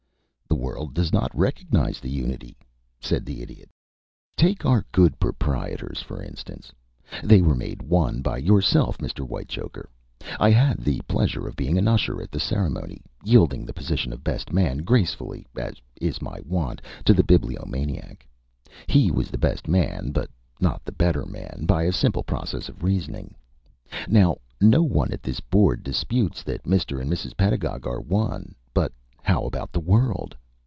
"The world does not recognize the unity," said the Idiot. "Take our good proprietors, for instance. They were made one by yourself, Mr. Whitechoker. I had the pleasure of being an usher at the ceremony, yielding the position of best man gracefully, as is my wont, to the Bibliomaniac. He was best man, but not the better man, by a simple process of reasoning. Now no one at this board disputes that Mr. and Mrs. Pedagog are one, but how about the world?